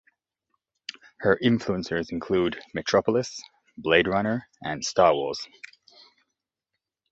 Her influences include "Metropolis", "Blade Runner", and "Star Wars".